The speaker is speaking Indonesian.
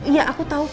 iya aku tau